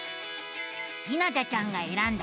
ひなたちゃんがえらんだ